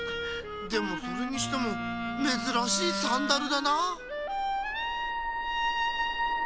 でもそれにしてもめずらしいサンダルだなあ。